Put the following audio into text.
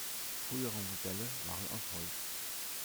Frühere Modelle waren aus Holz.